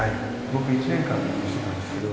僕１年間入院してたんですけど。